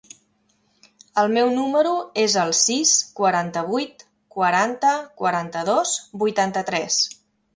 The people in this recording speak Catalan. El meu número es el sis, quaranta-vuit, quaranta, quaranta-dos, vuitanta-tres.